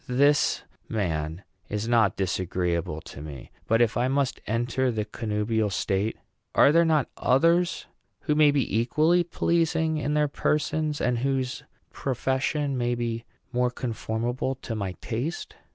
This man is not disagreeable to me; but if I must enter the connubial state, are there not others who may be equally pleasing in their persons, and whose profession may be more conformable to my taste?